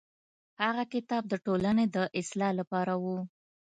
هغه کتاب د ټولنې د اصلاح لپاره و.